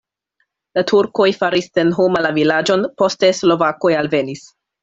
La turkoj faris senhoma la vilaĝon, poste slovakoj alvenis.